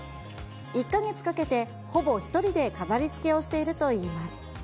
１か月かけてほぼ１人で飾りつけをしているといいます。